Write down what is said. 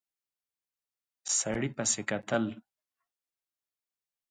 سړي پسې کتل.